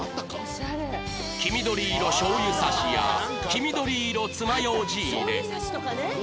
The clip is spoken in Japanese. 黄緑色しょう油差しや黄緑色つまようじ入れ